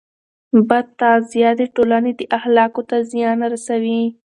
بد تغذیه د ټولنې اخلاقو ته زیان رسوي.